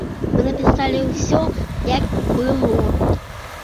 Мы напісалі ўсё, як было.